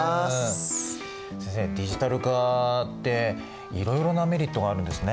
先生ディジタル化っていろいろなメリットがあるんですね。